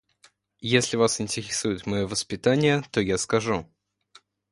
Если вас интересует моё воспитание, то я скажу.